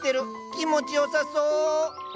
気持ちよさそ。